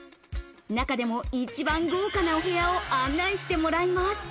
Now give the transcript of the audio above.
中でも一番豪華なお部屋を案内してもらいます。